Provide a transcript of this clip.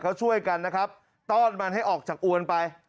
เขาช่วยกันตอดมันให้ออกจากอวนไป